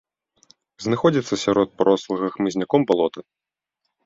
Знаходзіцца сярод парослага хмызняком балота.